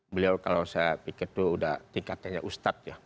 beliau kalau saya pikir itu sudah tingkatnya ustadz ya